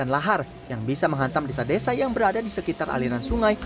dan lahar yang bisa menghantam desa desa yang berada di sekitar aliran sungai